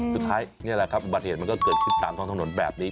สุดท้ายนี่แหละครับอุบัติเหตุมันก็เกิดขึ้นตามท้องถนนแบบนี้